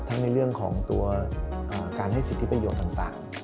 ในเรื่องของตัวการให้สิทธิประโยชน์ต่าง